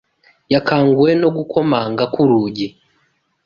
Yakanguwe no gukomanga ku rugi